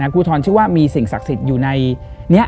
ครูทรชื่อว่ามีสิ่งศักดิ์สิทธิ์อยู่ในนี้